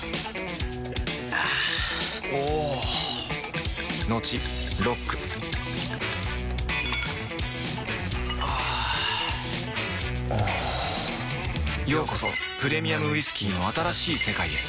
あぁおぉトクトクあぁおぉようこそプレミアムウイスキーの新しい世界へ